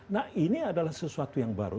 nah ini adalah sesuatu yang baru